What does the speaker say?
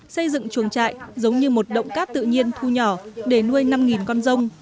xây dựng chuồng trại giống như một động cát tự nhiên thu nhỏ để nuôi năm con rông